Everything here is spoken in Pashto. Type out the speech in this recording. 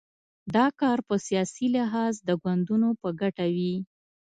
دا کار په سیاسي لحاظ د ګوندونو په ګټه وي.